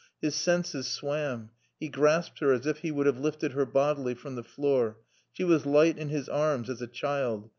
His senses swam. He grasped her as if he would have lifted her bodily from the floor. She was light in his arms as a child.